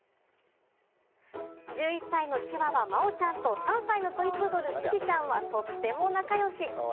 １１歳のチワワ、まおちゃんと、３歳のトイプードル、プティちゃんはとっても仲良し。